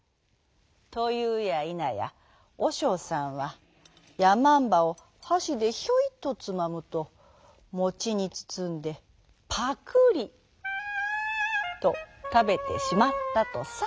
というやいなやおしょうさんはやまんばをはしでヒョイとつまむともちにつつんでパクリとたべてしまったとさ。